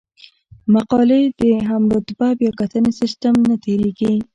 مقالې د هم رتبه بیاکتنې سیستم نه تیریږي.